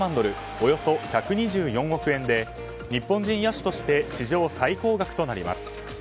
およそ１２４億円で日本人野手として史上最高額となります。